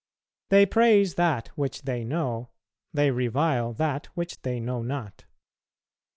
They praise that which they know, they revile that which they know not.